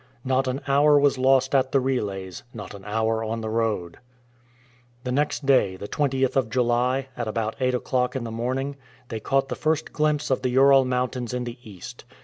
Not an hour was lost at the relays, not an hour on the road. The next day, the 20th of July, at about eight o'clock in the morning, they caught the first glimpse of the Ural Mountains in the east.